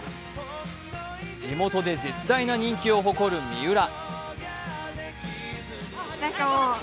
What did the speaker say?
地元で絶大な人気を誇る三浦。